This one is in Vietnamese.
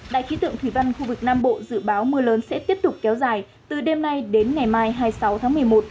đại khí tượng thủy văn khu vực nam bộ dự báo mưa lớn sẽ tiếp tục kéo dài từ đêm nay đến ngày mai hai mươi sáu tháng một mươi một